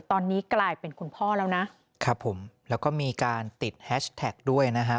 ตอนนี้กลายเป็นคุณพ่อแล้วนะครับผมแล้วก็มีการติดแฮชแท็กด้วยนะฮะ